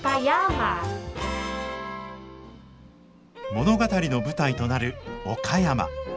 物語の舞台となる岡山。